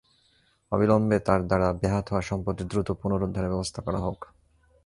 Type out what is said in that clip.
অবিলম্বে তাঁর দ্বারা বেহাত হওয়া সম্পত্তি দ্রুত পুনরুদ্ধারের ব্যবস্থা করা হোক।